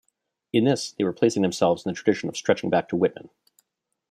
In this, they were placing themselves in a tradition stretching back to Whitman.